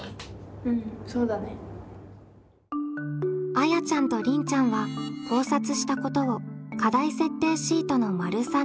あやちゃんとりんちゃんは考察したことを課題設定シートの③にまとめました。